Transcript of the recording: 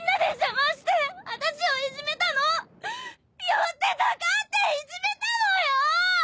よってたかっていじめたのよ！